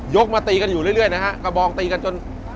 มาตีกันอยู่เรื่อยนะฮะกระบองตีกันจน